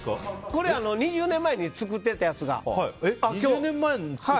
これ、２０年前に作ってたやつが。